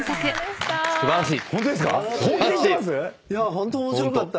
ホント面白かった。